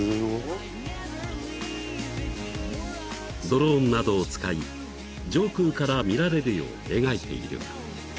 ［ドローンなどを使い上空から見られるよう描いている］